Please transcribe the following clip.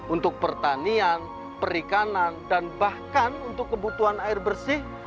untuk pertanian perikanan dan bahkan untuk kebutuhan air bersih